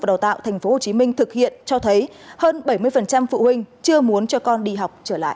đào tạo tp hcm thực hiện cho thấy hơn bảy mươi phụ huynh chưa muốn cho con đi học trở lại